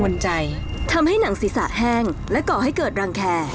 ได้เลยอ่าเดี๋ยวกลับมา